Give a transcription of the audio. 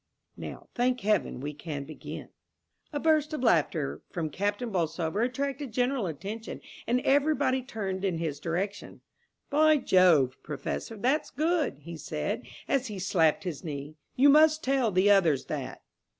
(Now, thank heaven, we can begin.) A burst of laughter from Captain Bolsover attracted general attention, and everybody turned in his direction. "By Jove, Professor, that's good," he said, as he slapped his knee; "you must tell the others that."